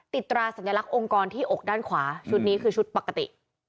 ตราสัญลักษณ์องค์กรที่อกด้านขวาชุดนี้คือชุดปกติ